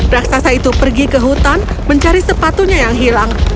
raksasa itu pergi ke hutan mencari sepatunya yang hilang